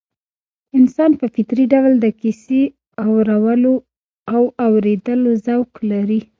انسان په فطري ډول د کيسې اورولو او اورېدلو ذوق لري